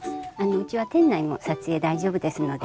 うちは店内も撮影大丈夫ですので。